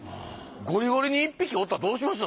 ゴリゴリに１匹おったらどうしますの？